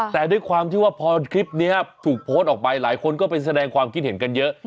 แต่ด้วยความที่ว่าพอคลิปนี้ถูกโพสต์ออกไปหลายคนก็ไปแสดงความคิดเห็นกันเยอะ